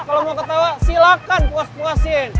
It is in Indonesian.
kalo mau ketawa silahkan puas puasin